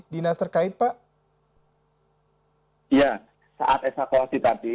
banyak sekali pohon yang tumbang